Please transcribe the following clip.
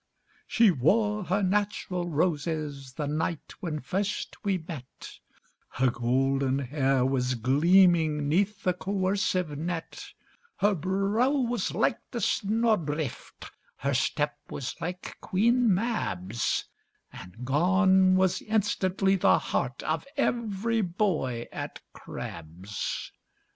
ŌĆ£She woreŌĆØ her natural ŌĆ£roses, the night when first we metŌĆØŌĆö Her golden hair was gleaming ŌĆÖneath the coercive net: ŌĆ£Her brow was like the snawdrift, ŌĆØ her step was like Queen MabŌĆÖs, And gone was instantly the heart of every boy at CrabbŌĆÖs.